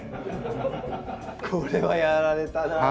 これはやられたな。